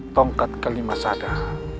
tongkat kelima sadar